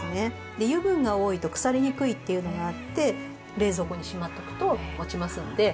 で油分が多いと腐りにくいっていうのがあって冷蔵庫にしまっとくともちますんで。